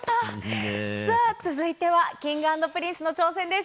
さあ、続いてはＫｉｎｇ＆Ｐｒｉｎｃｅの挑戦です。